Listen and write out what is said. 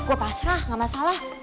gue pasrah gak masalah